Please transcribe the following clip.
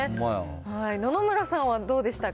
野々村さんはどうでしたか？